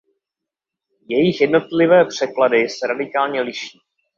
Jejich jednotlivé překlady se radikálně liší.